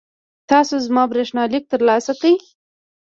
تاسو زما برېښنالیک ترلاسه کړی؟